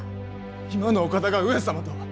今のお方が上様とは！